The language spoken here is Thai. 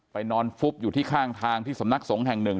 นอนฟุบอยู่ที่ข้างทางที่สำนักสงฆ์แห่งหนึ่ง